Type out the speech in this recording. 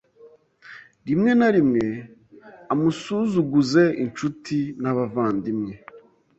rimwe na rimwe amusuzuguze inshuti n’abavandimwe